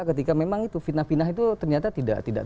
ketika memang itu fitnah fitnah itu ternyata tidak